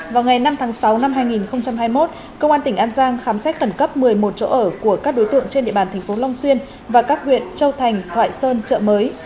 vào ngày năm tháng sáu năm hai nghìn hai mươi một công an tỉnh an giang khám xét khẩn cấp một mươi một chỗ ở của các đối tượng trên địa bàn thành phố long xuyên và các huyện châu thành thoại sơn chợ mới